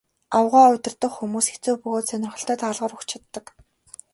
Аугаа удирдах хүмүүс хэцүү бөгөөд сонирхолтой даалгавар өгч чаддаг.